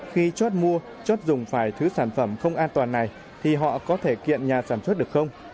khi chót mua chót dùng phải thứ sản phẩm không an toàn này thì họ có thể kiện nhà sản xuất được không